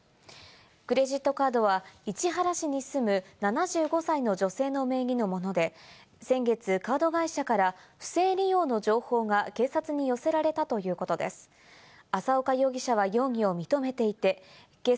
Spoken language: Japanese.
クレジットカードは市原市に住む７５歳の女性の名義のもので、先月、カード会社から不正利用の情報が警察に寄せられたというこ関東のお天気です。